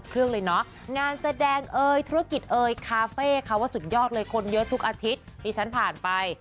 เออคาเฟ่เขาว่าสุดยอดเลยคนเยอะทุกอาทิตย์ที่ฉันผ่านไป